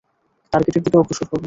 টার্গেটের দিকে অগ্রসর হবো।